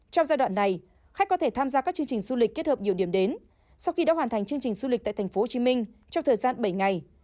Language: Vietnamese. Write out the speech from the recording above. trong giai đoạn này khách có thể tham gia các chương trình du lịch kết hợp nhiều điểm đến sau khi đã hoàn thành chương trình du lịch tại tp hcm trong thời gian bảy ngày